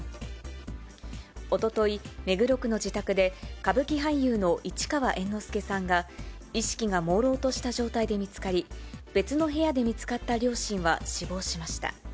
おととい、目黒区の自宅で歌舞伎俳優の市川猿之助さんが、意識がもうろうとした状態で見つかり、別の部屋で見つかった両親は死亡しました。